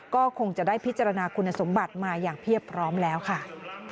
ก็คงจะได้พิจารณาคุณสมบัติมาอย่างเพียบพร้อมแล้วค่ะ